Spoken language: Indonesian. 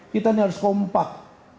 kita harus kompak